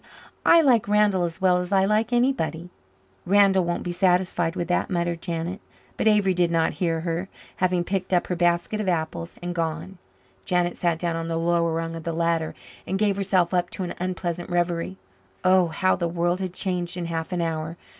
I like Randall as well as I like anybody." "Randall won't be satisfied with that," muttered Janet. But Avery did not hear her, having picked up her basket of apples and gone. Janet sat down on the lower rung of the ladder and gave herself up to an unpleasant reverie. Oh, how the world had changed in half an hour!